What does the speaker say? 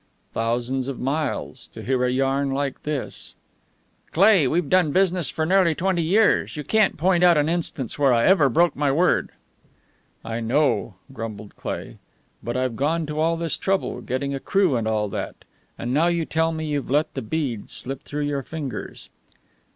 "Thousands of miles to hear a yarn like this!" "Cleigh, we've done business for nearly twenty years. You can't point out an instance where I ever broke my word." "I know," grumbled Cleigh. "But I've gone to all this trouble, getting a crew and all that. And now you tell me you've let the beads slip through your fingers!"